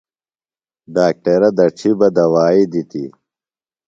ڈاکٹرہ دڇھیۡ بہ دوائی دِتیۡ۔